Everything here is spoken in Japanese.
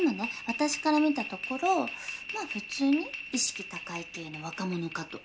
私から見たところまあ普通に意識高い系の若者かと。